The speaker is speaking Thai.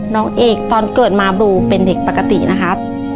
น้องเอกตอนเกิดมาบลูเป็นเด็กปกตินะครับ